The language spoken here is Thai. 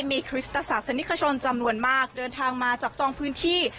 มีคริสตศาสนิกชนจำนวนมากเดินทางมาจับจองพื้นที่